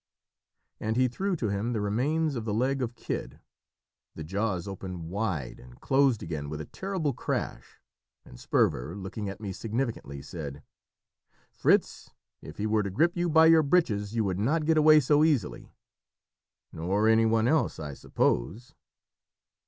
And he threw to him the remains of the leg of kid. The jaws opened wide and closed again with a terrible crash, and Sperver, looking at me significantly, said "Fritz, if he were to grip you by your breeches you would not get away so easily!" "Nor any one else, I suppose."